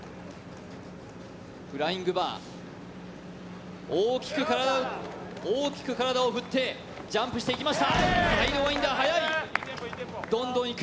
フライングバー、大きく体を振って、ジャンプしていきました。